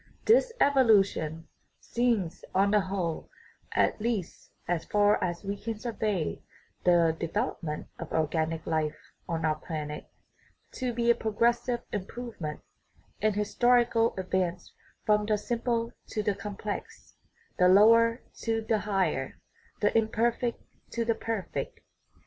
This evolution seems on the whole at least as far as we can survey the development of organic life on our planet to be a progressive improvement, an historical advance from the simple to the complex, the lower to the higher, the imperfect to the perfect.